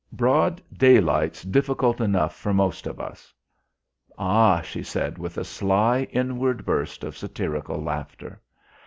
"Broad daylight's difficult enough for most of us." "Ah," she said, with a sly inward burst of satirical laughter.